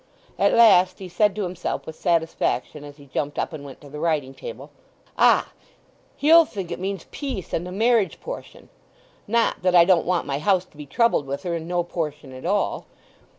At last he said to himself with satisfaction as he jumped up and went to the writing table: "Ah! he'll think it means peace, and a marriage portion—not that I don't want my house to be troubled with her, and no portion at all!"